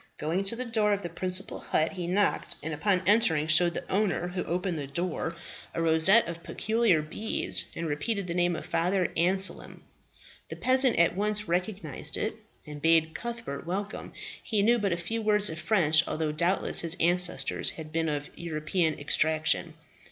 Going to the door of the principal hut, he knocked, and upon entering showed the owner who opened the door a rosette of peculiar beads, and repeated the name of Father Anselm. The peasant at once recognized it, and bade Cuthbert welcome. He knew but a few words of French, although doubtless his ancestors had been of European extraction.